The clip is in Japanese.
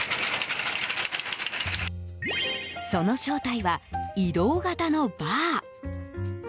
その正体は移動型のバー。